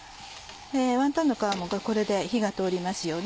ワンタンの皮もこれで火が通りますよね。